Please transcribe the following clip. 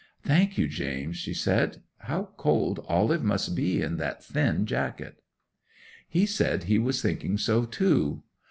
'"Thank you, James," she said. "How cold Olive must be in that thin jacket!" 'He said he was thinking so too.